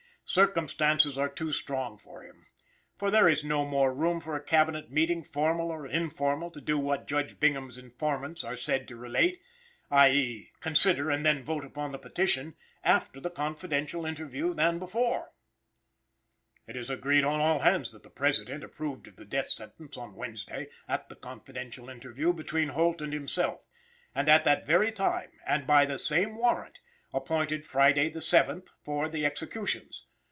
Circumstances are too strong for him. For there is no more room for a Cabinet meeting, formal or informal, to do what Judge Bingham's informants are said to relate i. e. consider, and then vote upon the petition after the confidential interview than before. It is agreed on all hands that the President approved of the death sentence on Wednesday, at the confidential interview between Holt and himself, and, at that very time, and by the same warrant, appointed Friday the 7th, for the executions.